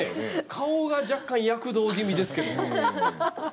顔が若干、躍動気味ですけども。